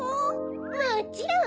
もちろん！